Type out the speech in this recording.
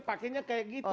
pakainya kayak gitu